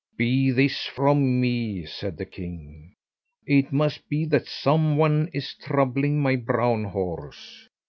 "Be this from me," said the king; "it must be that some one is troubling my brown horse."